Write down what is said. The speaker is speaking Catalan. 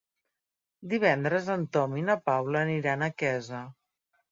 Divendres en Tom i na Paula aniran a Quesa.